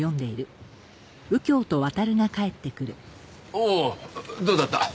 おおどうだった？